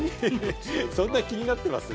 そんな気になってます？